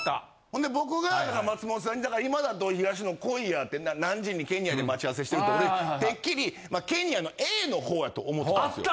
ほんで僕が松本さんに今田と東野来いやって何時にケニアで待ち合わせしてるって俺てっきりケニアのＡの方やと思ってたんですよ。